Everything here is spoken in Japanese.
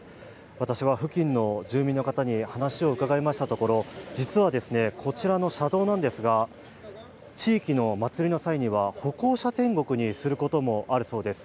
私が付近の住民の方に話を伺いましたところ、実はこちらの車道なんですが、地域の祭りの際には歩行者天国にすることもあるそうです。